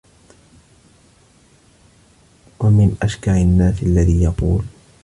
وَمِنْ أَشْكَرِ النَّاسِ الَّذِي يَقُولُ